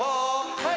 はい！